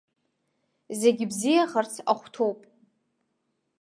Зегьы бзиахарц ахәҭоуп.